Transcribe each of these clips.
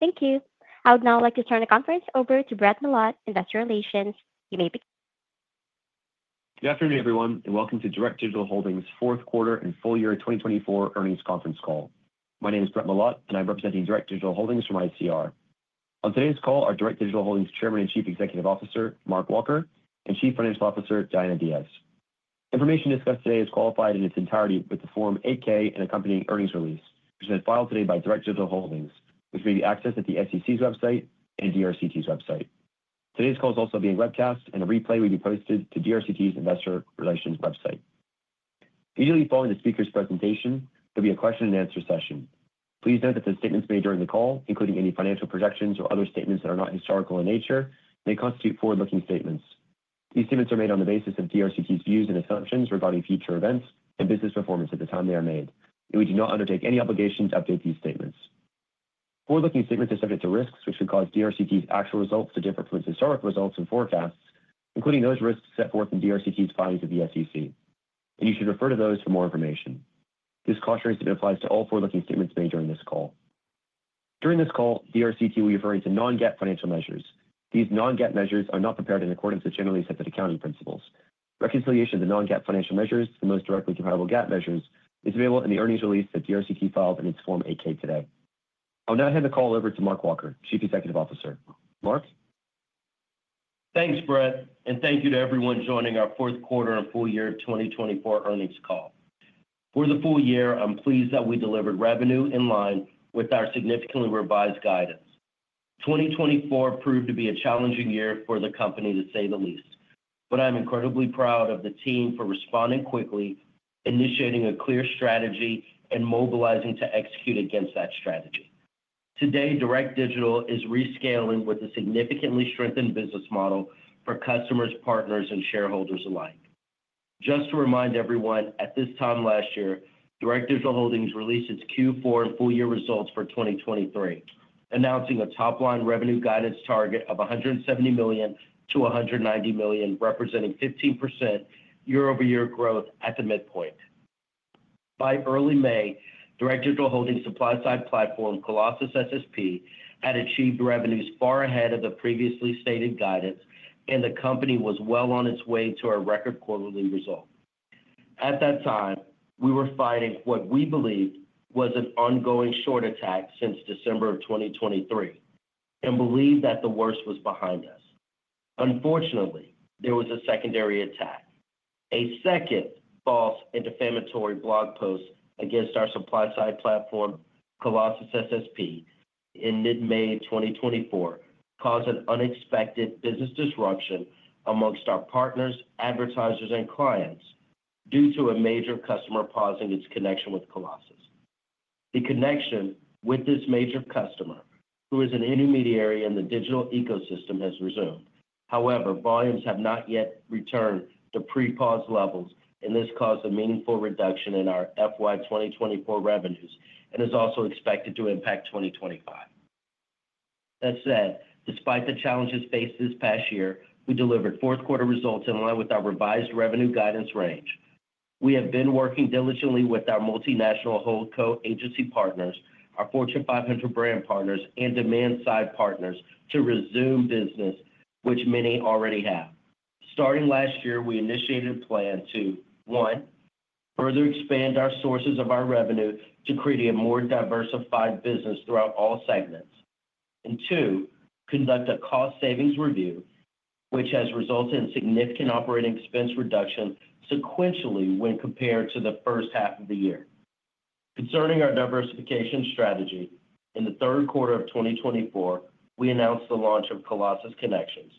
Thank you. I would now like to turn the conference over to Brett Milotte, Investor Relations. You may begin. Good afternoon, everyone, and welcome to Direct Digital Holdings' fourth quarter and full year 2024 earnings conference call. My name is Brett Milotte, and I'm representing Direct Digital Holdings from ICR. On today's call are Direct Digital Holdings Chairman and Chief Executive Officer Mark Walker and Chief Financial Officer Diana Diaz. Information discussed today is qualified in its entirety with the Form 8-K and accompanying earnings release, which has been filed today by Direct Digital Holdings, which may be accessed at the SEC's website and DRCT's website. Today's call is also being webcast, and a replay will be posted to DRCT's Investor Relations website. Immediately following the speaker's presentation, there will be a question-and-answer session. Please note that the statements made during the call, including any financial projections or other statements that are not historical in nature, may constitute forward-looking statements. These statements are made on the basis of DRCT's views and assumptions regarding future events and business performance at the time they are made, and we do not undertake any obligation to update these statements. Forward-looking statements are subject to risks, which could cause DRCT's actual results to differ from its historic results and forecasts, including those risks set forth in DRCT's filings with the SEC, and you should refer to those for more information. This cautionary statement applies to all forward-looking statements made during this call. During this call, DRCT will be referring to non-GAAP financial measures. These non-GAAP measures are not prepared in accordance with generally accepted accounting principles. Reconciliation of the non-GAAP financial measures to the most directly comparable GAAP measures is available in the earnings release that DRCT filed in its Form 8-K today. I'll now hand the call over to Mark Walker, Chief Executive Officer. Mark? Thanks, Brett, and thank you to everyone joining our fourth quarter and full year 2024 earnings call. For the full year, I'm pleased that we delivered revenue in line with our significantly revised guidance. 2024 proved to be a challenging year for the company, to say the least, but I'm incredibly proud of the team for responding quickly, initiating a clear strategy, and mobilizing to execute against that strategy. Today, Direct Digital is rescaling with a significantly strengthened business model for customers, partners, and shareholders alike. Just to remind everyone, at this time last year, Direct Digital Holdings released its Q4 and full year results for 2023, announcing a top-line revenue guidance target of $170 million-$190 million, representing 15% year-over-year growth at the midpoint. By early May, Direct Digital Holdings' supply-side platform, Colossus SSP, had achieved revenues far ahead of the previously stated guidance, and the company was well on its way to our record quarterly result. At that time, we were fighting what we believed was an ongoing short attack since December of 2023 and believed that the worst was behind us. Unfortunately, there was a secondary attack. A second false and defamatory blog post against our supply-side platform, Colossus SSP, in mid-May 2024 caused an unexpected business disruption amongst our partners, advertisers, and clients due to a major customer pausing its connection with Colossus. The connection with this major customer, who is an intermediary in the digital ecosystem, has resumed. However, volumes have not yet returned to pre-pause levels, and this caused a meaningful reduction in our FY 2024 revenues and is also expected to impact 2025. That said, despite the challenges faced this past year, we delivered fourth-quarter results in line with our revised revenue guidance range. We have been working diligently with our multinational HoldCo agency partners, our Fortune 500 brand partners, and demand-side partners to resume business, which many already have. Starting last year, we initiated a plan to, one, further expand our sources of our revenue to create a more diversified business throughout all segments, and two, conduct a cost savings review, which has resulted in significant operating expense reduction sequentially when compared to the first half of the year. Concerning our diversification strategy, in the third quarter of 2024, we announced the launch of Colossus Connections,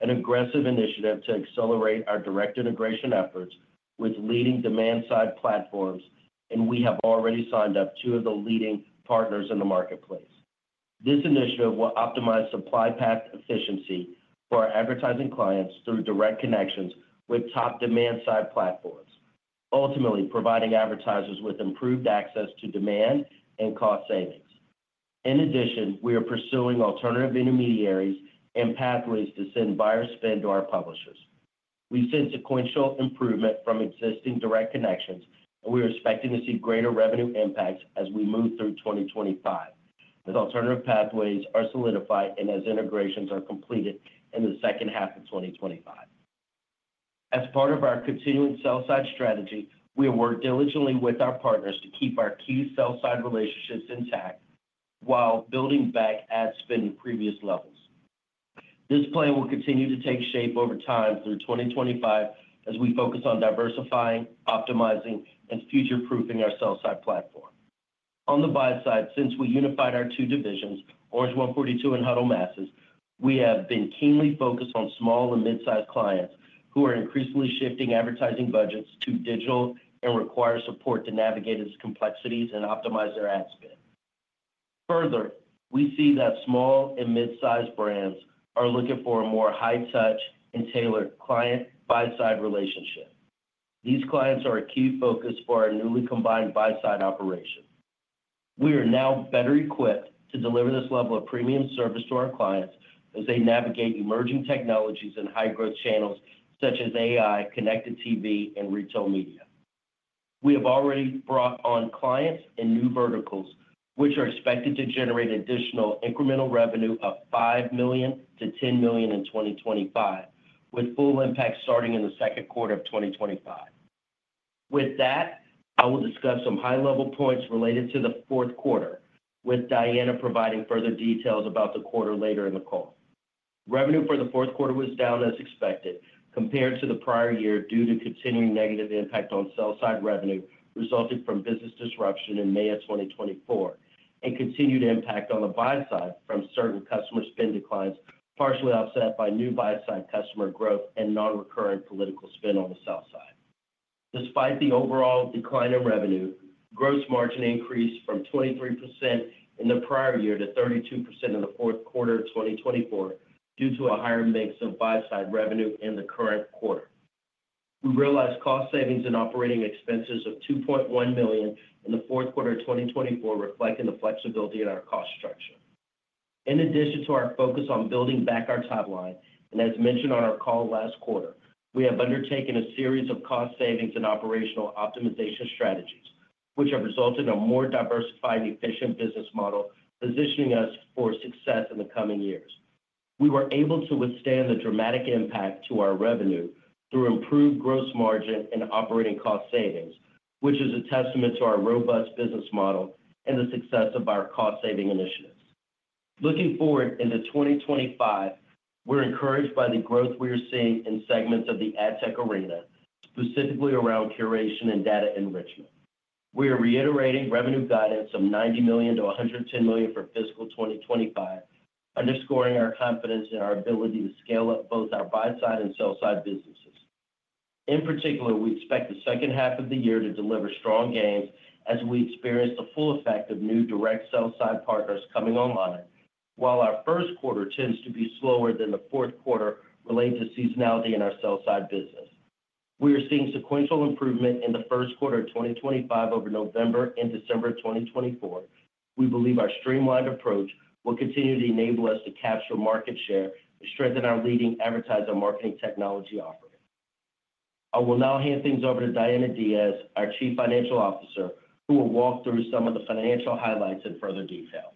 an aggressive initiative to accelerate our direct integration efforts with leading demand-side platforms, and we have already signed up two of the leading partners in the marketplace. This initiative will optimize supply path efficiency for our advertising clients through direct connections with top demand-side platforms, ultimately providing advertisers with improved access to demand and cost savings. In addition, we are pursuing alternative intermediaries and pathways to send buyer spend to our publishers. We've seen sequential improvement from existing direct connections, and we are expecting to see greater revenue impacts as we move through 2025, with alternative pathways solidified and as integrations are completed in the second half of 2025. As part of our continuing sell-side strategy, we have worked diligently with our partners to keep our key sell-side relationships intact while building back ad spend to previous levels. This plan will continue to take shape over time through 2025 as we focus on diversifying, optimizing, and future-proofing our sell-side platform. On the buy side, since we unified our two divisions, Orange 142 and Huddled Masses, we have been keenly focused on small and mid-size clients who are increasingly shifting advertising budgets to digital and require support to navigate its complexities and optimize their ad spend. Further, we see that small and mid-size brands are looking for a more high-touch and tailored client buy-side relationship. These clients are a key focus for our newly combined buy-side operation. We are now better equipped to deliver this level of premium service to our clients as they navigate emerging technologies and high-growth channels such as AI, connected TV, and retail media. We have already brought on clients in new verticals, which are expected to generate additional incremental revenue of $5 million-$10 million in 2025, with full impact starting in the second quarter of 2025. With that, I will discuss some high-level points related to the fourth quarter, with Diana providing further details about the quarter later in the call. Revenue for the fourth quarter was down as expected compared to the prior year due to continuing negative impact on sell-side revenue resulting from business disruption in May of 2024 and continued impact on the buy-side from certain customer spend declines, partially offset by new buy-side customer growth and non-recurring political spend on the sell-side. Despite the overall decline in revenue, gross margin increased from 23% in the prior year to 32% in the fourth quarter of 2024 due to a higher mix of buy-side revenue in the current quarter. We realized cost savings in operating expenses of $2.1 million in the fourth quarter of 2024, reflecting the flexibility in our cost structure. In addition to our focus on building back our top line, and as mentioned on our call last quarter, we have undertaken a series of cost savings and operational optimization strategies, which have resulted in a more diversified and efficient business model, positioning us for success in the coming years. We were able to withstand the dramatic impact to our revenue through improved gross margin and operating cost savings, which is a testament to our robust business model and the success of our cost-saving initiatives. Looking forward into 2025, we're encouraged by the growth we are seeing in segments of the ad tech arena, specifically around curation and data enrichment. We are reiterating revenue guidance of $90 million-$110 million for fiscal 2025, underscoring our confidence in our ability to scale up both our buy-side and sell-side businesses. In particular, we expect the second half of the year to deliver strong gains as we experience the full effect of new direct sell-side partners coming online, while our first quarter tends to be slower than the fourth quarter related to seasonality in our sell-side business. We are seeing sequential improvement in the first quarter of 2025 over November and December of 2024. We believe our streamlined approach will continue to enable us to capture market share and strengthen our leading advertising marketing technology offering. I will now hand things over to Diana Diaz, our Chief Financial Officer, who will walk through some of the financial highlights in further detail.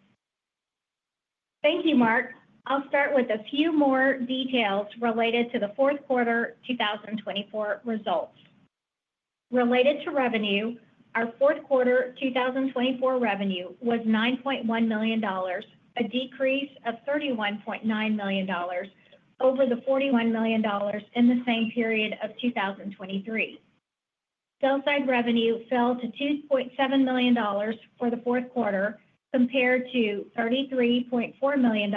Thank you, Mark. I'll start with a few more details related to the fourth quarter 2024 results. Related to revenue, our fourth quarter 2024 revenue was $9.1 million, a decrease of $31.9 million over the $41 million in the same period of 2023. Sell-side revenue fell to $2.7 million for the fourth quarter compared to $33.4 million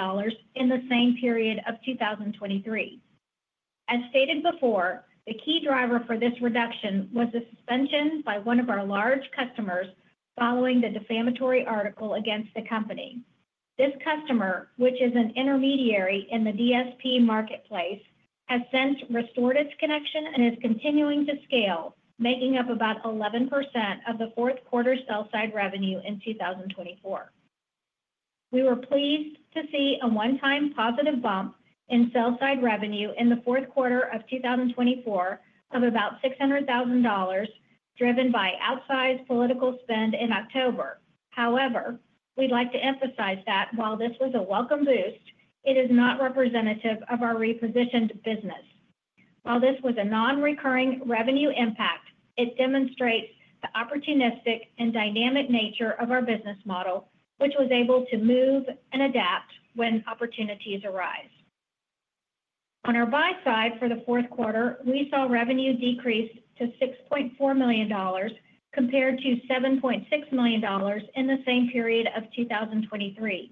in the same period of 2023. As stated before, the key driver for this reduction was the suspension by one of our large customers following the defamatory article against the company. This customer, which is an intermediary in the DSP marketplace, has since restored its connection and is continuing to scale, making up about 11% of the fourth quarter sell-side revenue in 2024. We were pleased to see a one-time positive bump in sell-side revenue in the fourth quarter of 2024 of about $600,000, driven by outsized political spend in October. However, we'd like to emphasize that while this was a welcome boost, it is not representative of our repositioned business. While this was a non-recurring revenue impact, it demonstrates the opportunistic and dynamic nature of our business model, which was able to move and adapt when opportunities arise. On our buy-side for the fourth quarter, we saw revenue decrease to $6.4 million compared to $7.6 million in the same period of 2023.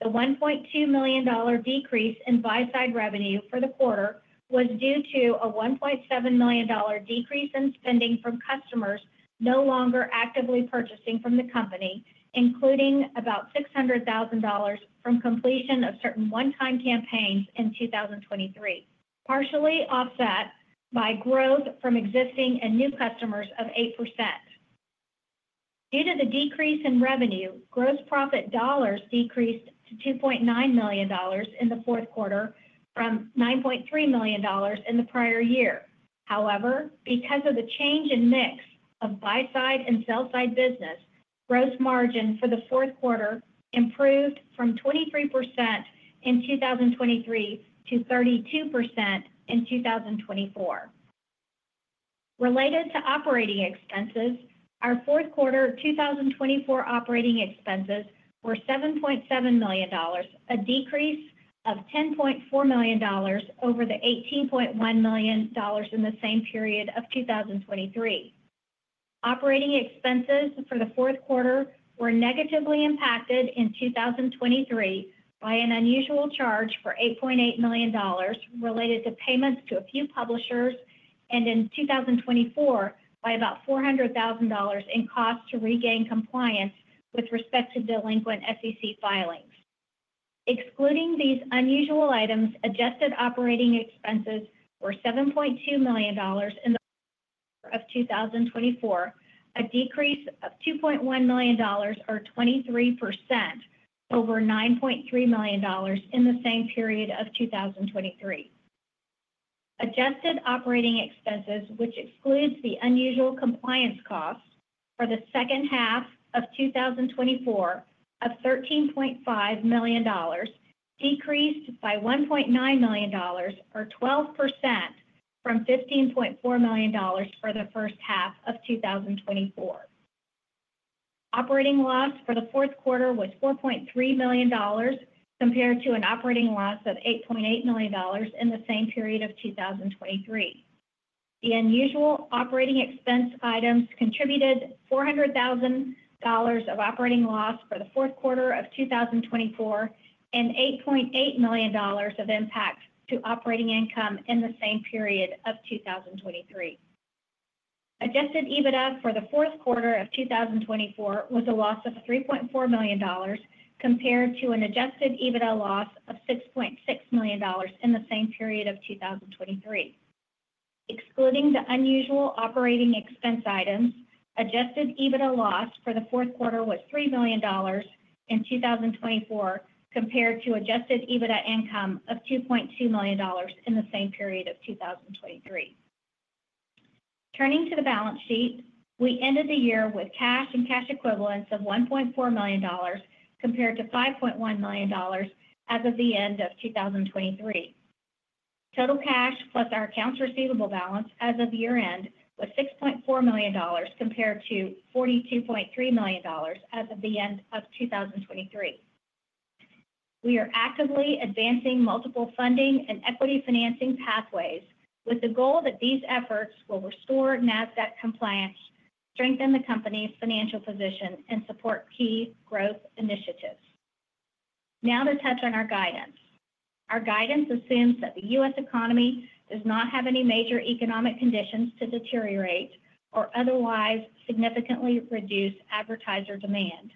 The $1.2 million decrease in buy-side revenue for the quarter was due to a $1.7 million decrease in spending from customers no longer actively purchasing from the company, including about $600,000 from completion of certain one-time campaigns in 2023, partially offset by growth from existing and new customers of 8%. Due to the decrease in revenue, gross profit dollars decreased to $2.9 million in the fourth quarter from $9.3 million in the prior year. However, because of the change in mix of buy-side and sell-side business, gross margin for the fourth quarter improved from 23% in 2023 to 32% in 2024. Related to operating expenses, our fourth quarter 2024 operating expenses were $7.7 million, a decrease of $10.4 million over the $18.1 million in the same period of 2023. Operating expenses for the fourth quarter were negatively impacted in 2023 by an unusual charge for $8.8 million related to payments to a few publishers, and in 2024 by about $400,000 in costs to regain compliance with respect to delinquent SEC filings. Excluding these unusual items, adjusted operating expenses were $7.2 million in the fourth quarter of 2024, a decrease of $2.1 million or 23% over $9.3 million in the same period of 2023. Adjusted operating expenses, which excludes the unusual compliance costs for the second half of 2024, of $13.5 million, decreased by $1.9 million or 12% from $15.4 million for the first half of 2024. Operating loss for the fourth quarter was $4.3 million compared to an operating loss of $8.8 million in the same period of 2023. The unusual operating expense items contributed $400,000 of operating loss for the fourth quarter of 2024 and $8.8 million of impact to operating income in the same period of 2023. Adjusted EBITDA for the fourth quarter of 2024 was a loss of $3.4 million compared to an adjusted EBITDA loss of $6.6 million in the same period of 2023. Excluding the unusual operating expense items, adjusted EBITDA loss for the fourth quarter was $3 million in 2024 compared to adjusted EBITDA income of $2.2 million in the same period of 2023. Turning to the balance sheet, we ended the year with cash and cash equivalents of $1.4 million compared to $5.1 million as of the end of 2023. Total cash plus our accounts receivable balance as of year-end was $6.4 million compared to $42.3 million as of the end of 2023. We are actively advancing multiple funding and equity financing pathways with the goal that these efforts will restore NASDAQ compliance, strengthen the company's financial position, and support key growth initiatives. Now to touch on our guidance. Our guidance assumes that the U.S. economy does not have any major economic conditions to deteriorate or otherwise significantly reduce advertiser demand.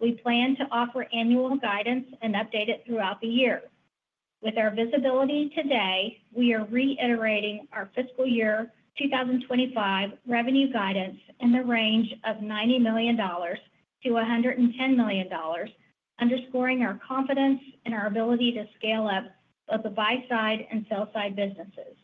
We plan to offer annual guidance and update it throughout the year. With our visibility today, we are reiterating our fiscal year 2025 revenue guidance in the range of $90 million-$110 million, underscoring our confidence in our ability to scale up both the buy-side and sell-side businesses.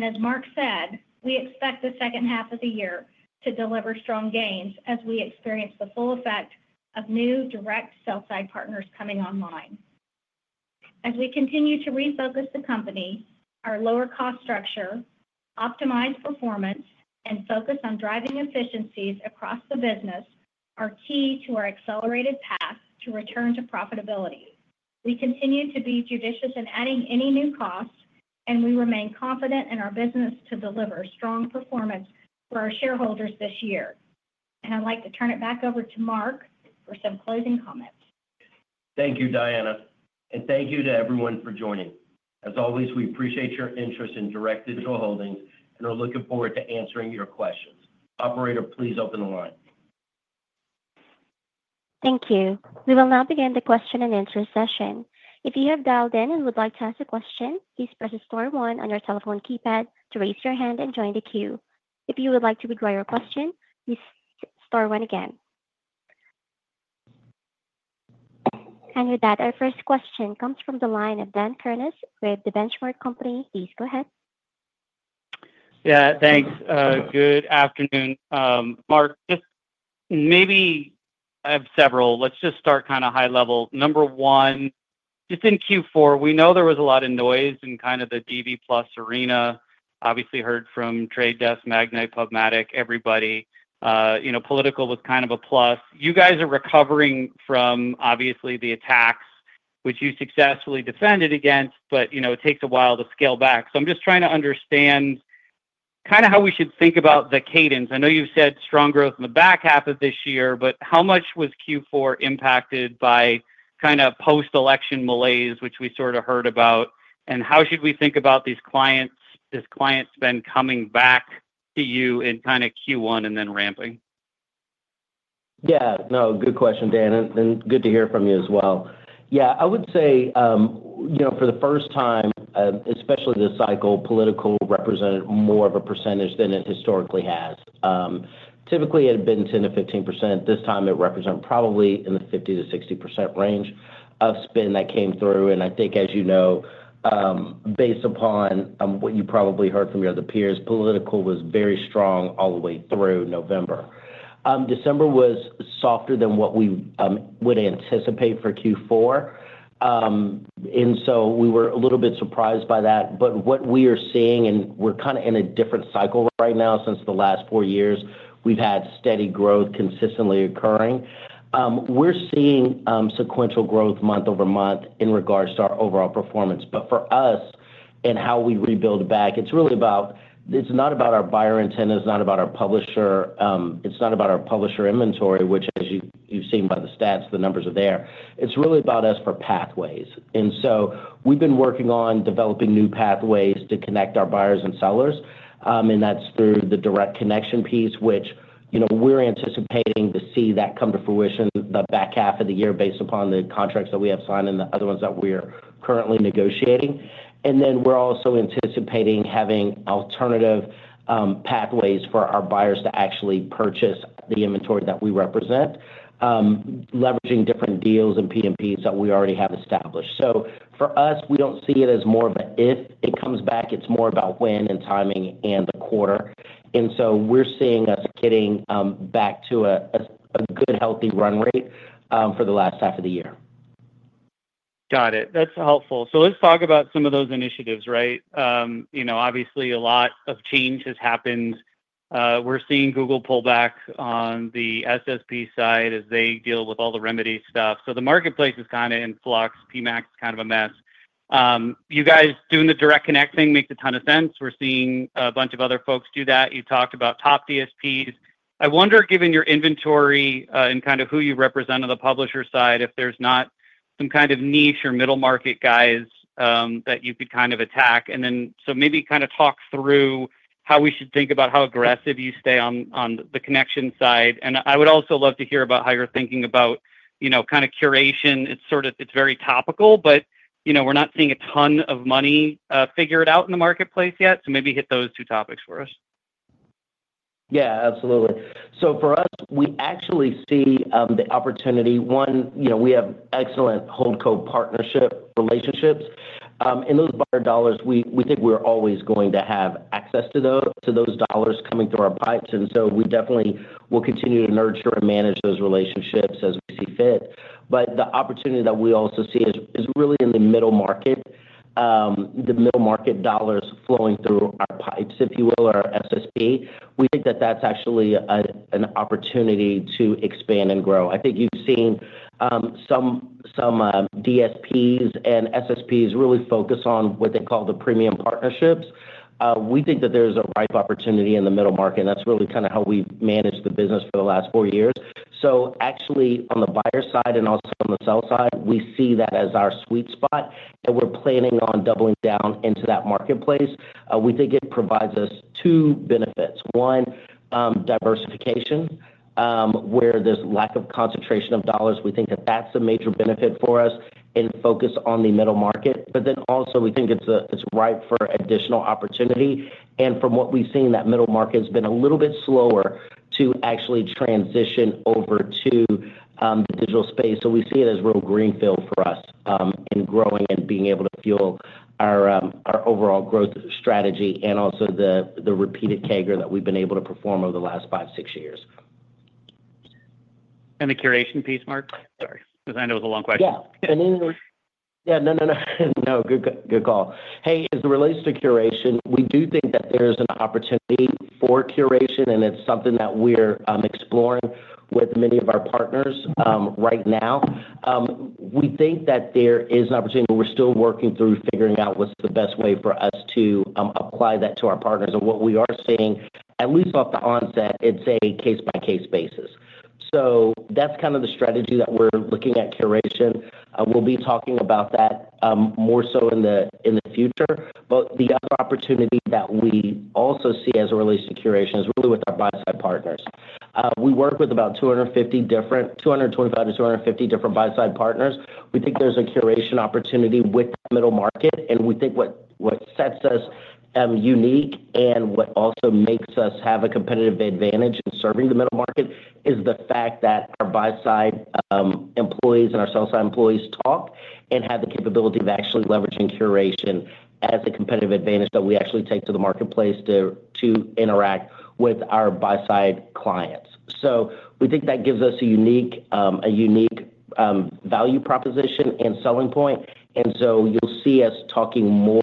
As Mark said, we expect the second half of the year to deliver strong gains as we experience the full effect of new direct sell-side partners coming online. As we continue to refocus the company, our lower-cost structure, optimized performance, and focus on driving efficiencies across the business are key to our accelerated path to return to profitability. We continue to be judicious in adding any new costs, and we remain confident in our business to deliver strong performance for our shareholders this year. I would like to turn it back over to Mark for some closing comments. Thank you, Diana. Thank you to everyone for joining. As always, we appreciate your interest in Direct Digital Holdings and are looking forward to answering your questions. Operator, please open the line. Thank you. We will now begin the question and answer session. If you have dialed in and would like to ask a question, please press Star one on your telephone keypad to raise your hand and join the queue. If you would like to read your question, please press Star one again. With that, our first question comes from the line of Dan Kurnos with The Benchmark Company. Please go ahead. Yeah, thanks. Good afternoon. Mark, just maybe I have several. Let's just start kind of high level. Number one, just in Q4, we know there was a lot of noise in kind of the CTV arena. Obviously, heard from The Trade Desk, Magnite, PubMatic, everybody. You know, political was kind of a plus. You guys are recovering from, obviously, the attacks, which you successfully defended against, but you know, it takes a while to scale back. I am just trying to understand kind of how we should think about the cadence. I know you've said strong growth in the back half of this year, but how much was Q4 impacted by kind of post-election malaise, which we sort of heard about? How should we think about this client spend coming back to you in kind of Q1 and then ramping? Yeah, no, good question, Dan. Good to hear from you as well. Yeah, I would say, you know, for the first time, especially this cycle, political represented more of a percentage than it historically has. Typically, it had been 10-15%. This time, it represented probably in the 50-60% range of spend that came through. I think, as you know, based upon what you probably heard from your other peers, political was very strong all the way through November. December was softer than what we would anticipate for Q4. We were a little bit surprised by that. What we are seeing, and we're kind of in a different cycle right now since the last four years, we've had steady growth consistently occurring. We're seeing sequential growth month over month in regards to our overall performance. For us, and how we rebuild back, it's really about, it's not about our buyer intent, it's not about our publisher, it's not about our publisher inventory, which, as you've seen by the stats, the numbers are there. It's really about us for pathways. We've been working on developing new pathways to connect our buyers and sellers. That's through the direct connection piece, which, you know, we're anticipating to see that come to fruition the back half of the year based upon the contracts that we have signed and the other ones that we are currently negotiating. We're also anticipating having alternative pathways for our buyers to actually purchase the inventory that we represent, leveraging different deals and PMPs that we already have established. For us, we don't see it as more of an if it comes back, it's more about when and timing and the quarter. We are seeing us getting back to a good, healthy run rate for the last half of the year. Got it. That's helpful. Let's talk about some of those initiatives, right? You know, obviously, a lot of change has happened. We're seeing Google pull back on the SSP side as they deal with all the remedy stuff. The marketplace is kind of in flux. PMax is kind of a mess. You guys doing the direct connect thing makes a ton of sense. We're seeing a bunch of other folks do that. You talked about top DSPs. I wonder, given your inventory and kind of who you represent on the publisher side, if there's not some kind of niche or middle market guys that you could kind of attack. Maybe talk through how we should think about how aggressive you stay on the connection side. I would also love to hear about how you're thinking about, you know, kind of curation. It's sort of, it's very topical, but, you know, we're not seeing a ton of money figured out in the marketplace yet. Maybe hit those two topics for us. Yeah, absolutely. For us, we actually see the opportunity. One, you know, we have excellent HoldCo partnership relationships. In those buyer dollars, we think we're always going to have access to those dollars coming through our pipes. We definitely will continue to nurture and manage those relationships as we see fit. The opportunity that we also see is really in the middle market, the middle market dollars flowing through our pipes, if you will, or our SSP. We think that that's actually an opportunity to expand and grow. I think you've seen some DSPs and SSPs really focus on what they call the premium partnerships. We think that there's a ripe opportunity in the middle market. That's really kind of how we've managed the business for the last four years. Actually, on the buyer side and also on the sell side, we see that as our sweet spot. We are planning on doubling down into that marketplace. We think it provides us two benefits. One, diversification, where there is lack of concentration of dollars. We think that is a major benefit for us in focus on the middle market. Also, we think it is ripe for additional opportunity. From what we have seen, that middle market has been a little bit slower to actually transition over to the digital space. We see it as real greenfield for us in growing and being able to fuel our overall growth strategy and also the repeated CAGR that we have been able to perform over the last five, six years. The curation piece, Mark? Sorry, because I know it was a long question. Yeah. No, good call. Hey, as it relates to curation, we do think that there is an opportunity for curation, and it's something that we're exploring with many of our partners right now. We think that there is an opportunity, but we're still working through figuring out what's the best way for us to apply that to our partners. What we are seeing, at least off the onset, it's a case-by-case basis. That's kind of the strategy that we're looking at curation. We'll be talking about that more so in the future. The other opportunity that we also see as it relates to curation is really with our buy-side partners. We work with about 225-250 different buy-side partners. We think there's a curation opportunity with the middle market. We think what sets us unique and what also makes us have a competitive advantage in serving the middle market is the fact that our buy-side employees and our sell-side employees talk and have the capability of actually leveraging curation as a competitive advantage that we actually take to the marketplace to interact with our buy-side clients. We think that gives us a unique value proposition and selling point. You will see us talking more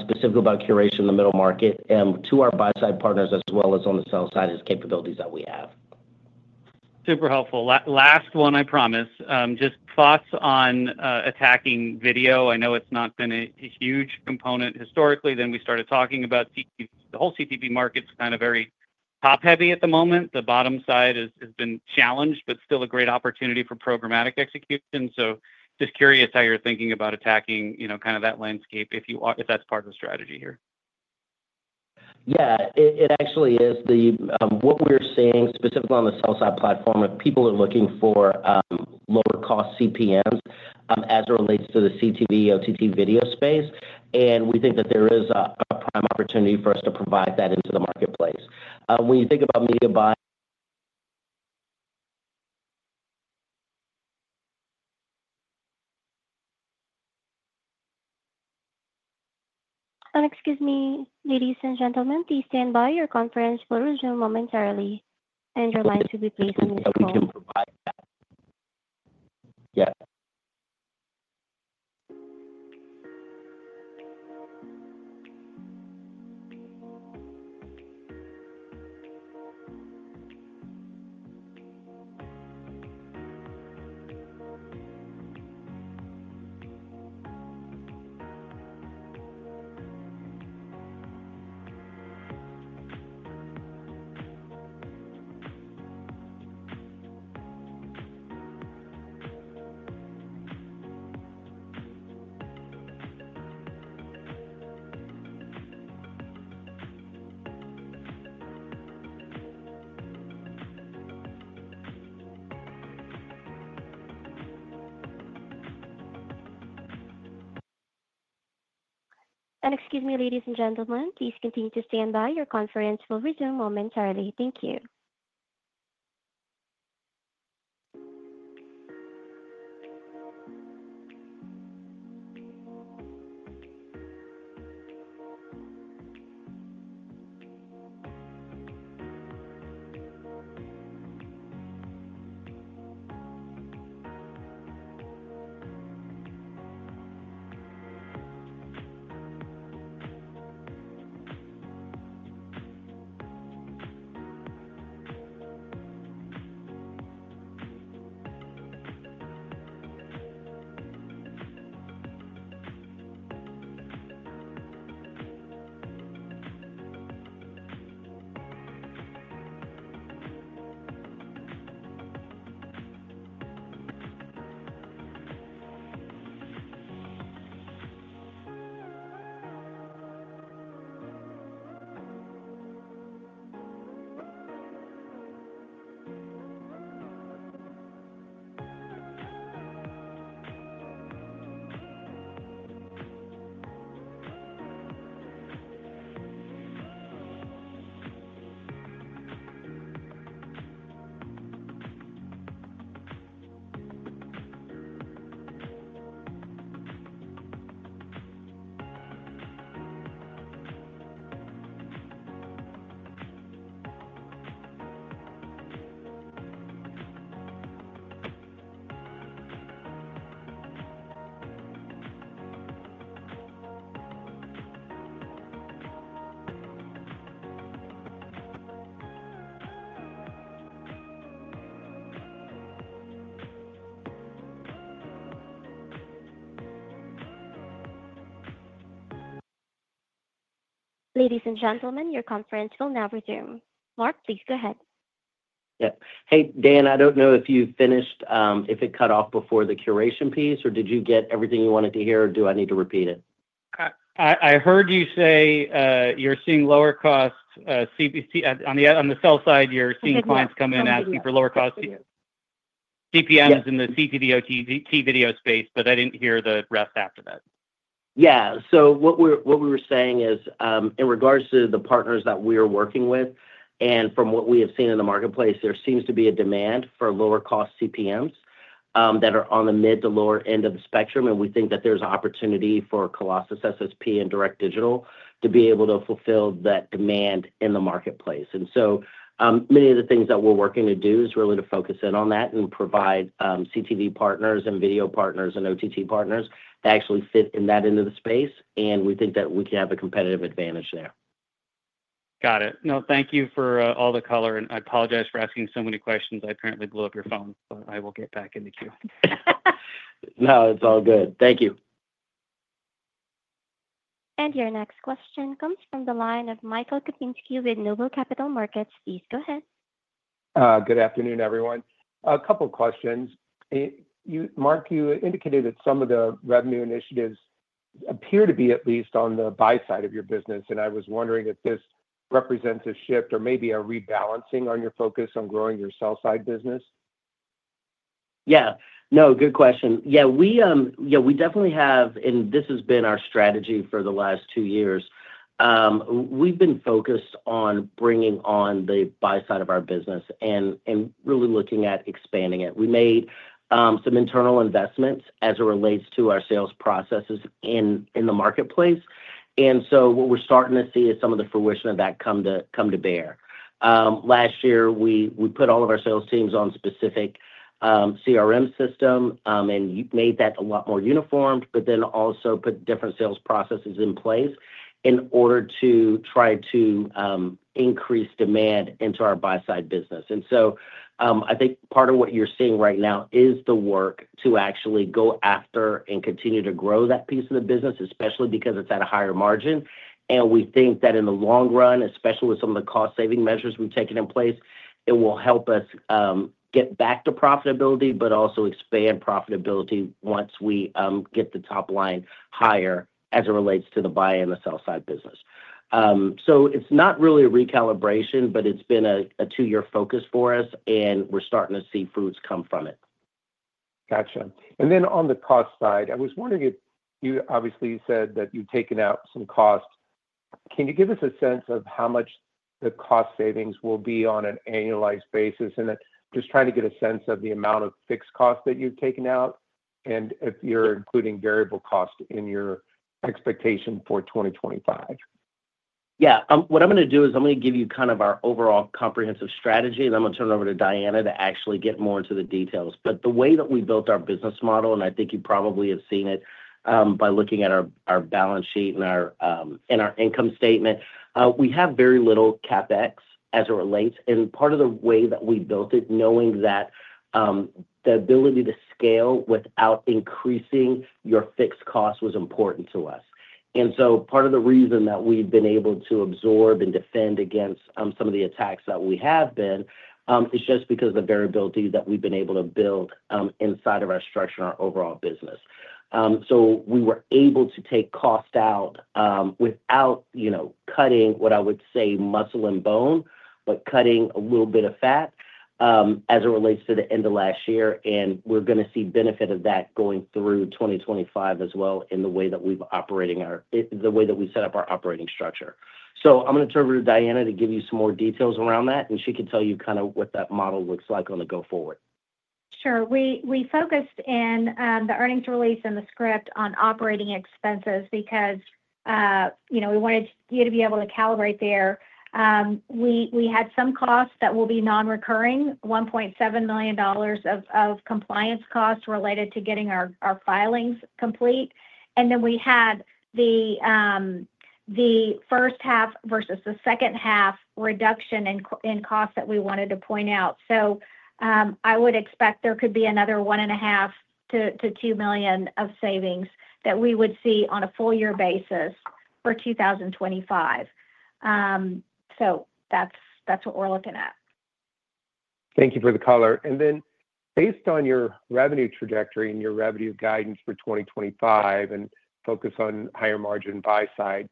specifically about curation in the middle market to our buy-side partners as well as on the sell-side as capabilities that we have. Super helpful. Last one, I promise. Just thoughts on attacking video. I know it's not been a huge component historically. You started talking about the whole CTV market's kind of very top-heavy at the moment. The bottom side has been challenged, but still a great opportunity for programmatic execution. Just curious how you're thinking about attacking, you know, kind of that landscape if that's part of the strategy here. Yeah, it actually is. What we're seeing specifically on the sell-side platform, people are looking for lower-cost CPMs as it relates to the CTV, OTT video space. We think that there is a prime opportunity for us to provide that into the marketplace. When you think about media buying. Excuse me, ladies and gentlemen, please stand by. Your conference will resume momentarily. Your lines will be placed on mute as well. I think you can provide that. Yeah. Excuse me, ladies and gentlemen, please continue to stand by. Your conference will resume momentarily. Thank you. Ladies and gentlemen, your conference will now resume. Mark, please go ahead. Yeah. Hey, Dan, I do not know if you finished, if it cut off before the curation piece, or did you get everything you wanted to hear, or do I need to repeat it? I heard you say you're seeing lower cost CPC on the sell side. You're seeing clients come in asking for lower cost CPMs in the CTV, OTT video space, but I didn't hear the rest after that. Yeah. What we were saying is, in regards to the partners that we are working with, and from what we have seen in the marketplace, there seems to be a demand for lower-cost CPMs that are on the mid to lower end of the spectrum. We think that there's an opportunity for Colossus SSP and Direct Digital to be able to fulfill that demand in the marketplace. Many of the things that we're working to do is really to focus in on that and provide CTV partners and video partners and OTT partners that actually fit in that end of the space. We think that we can have a competitive advantage there. Got it. No, thank you for all the color. I apologize for asking so many questions. I apparently blew up your phone, but I will get back into queue. No, it's all good. Thank you. Your next question comes from the line of Michael Kupinski with Noble Capital Markets. Please go ahead. Good afternoon, everyone. A couple of questions. Mark, you indicated that some of the revenue initiatives appear to be at least on the buy-side of your business. I was wondering if this represents a shift or maybe a rebalancing on your focus on growing your sell-side business. Yeah. No, good question. Yeah, we definitely have, and this has been our strategy for the last two years. We've been focused on bringing on the buy-side of our business and really looking at expanding it. We made some internal investments as it relates to our sales processes in the marketplace. What we're starting to see is some of the fruition of that come to bear. Last year, we put all of our sales teams on a specific CRM system and made that a lot more uniform, but then also put different sales processes in place in order to try to increase demand into our buy-side business. I think part of what you're seeing right now is the work to actually go after and continue to grow that piece of the business, especially because it's at a higher margin. We think that in the long run, especially with some of the cost-saving measures we've taken in place, it will help us get back to profitability, but also expand profitability once we get the top line higher as it relates to the buy and the sell-side business. It is not really a recalibration, but it has been a two-year focus for us, and we are starting to see fruits come from it. Gotcha. On the cost side, I was wondering if you obviously said that you've taken out some cost. Can you give us a sense of how much the cost savings will be on an annualized basis? Just trying to get a sense of the amount of fixed cost that you've taken out and if you're including variable cost in your expectation for 2025. Yeah. What I'm going to do is I'm going to give you kind of our overall comprehensive strategy, and I'm going to turn it over to Diana to actually get more into the details. The way that we built our business model, and I think you probably have seen it by looking at our balance sheet and our income statement, we have very little CapEx as it relates. Part of the way that we built it, knowing that the ability to scale without increasing your fixed cost was important to us. Part of the reason that we've been able to absorb and defend against some of the attacks that we have been is just because of the variability that we've been able to build inside of our structure and our overall business. We were able to take cost out without cutting what I would say muscle and bone, but cutting a little bit of fat as it relates to the end of last year. We're going to see benefit of that going through 2025 as well in the way that we've operated, the way that we set up our operating structure. I'm going to turn it over to Diana to give you some more details around that, and she can tell you kind of what that model looks like on the go forward. Sure. We focused in the earnings release and the script on operating expenses because we wanted you to be able to calibrate there. We had some costs that will be non-recurring, $1.7 million of compliance costs related to getting our filings complete. Then we had the first half versus the second half reduction in cost that we wanted to point out. I would expect there could be another $1.5 million-$2 million of savings that we would see on a full-year basis for 2025. That's what we're looking at. Thank you for the color. Based on your revenue trajectory and your revenue guidance for 2025 and focus on higher margin buy-side,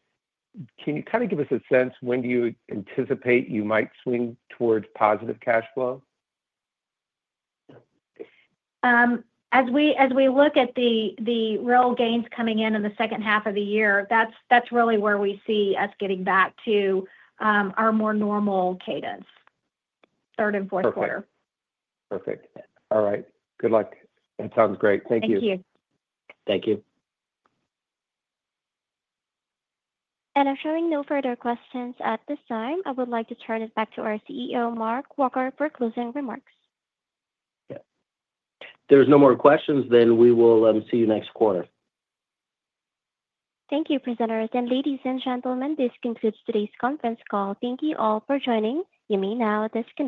can you kind of give us a sense when do you anticipate you might swing towards positive cash flow? As we look at the real gains coming in in the second half of the year, that's really where we see us getting back to our more normal cadence, third and fourth quarter. Perfect. All right. Good luck. That sounds great. Thank you. Thank you. Thank you. If there are no further questions at this time, I would like to turn it back to our CEO, Mark Walker, for closing remarks. If there are no more questions, then we will see you next quarter. Thank you, presenters. Ladies and gentlemen, this concludes today's conference call. Thank you all for joining. You may now disconnect.